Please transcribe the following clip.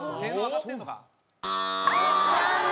残念。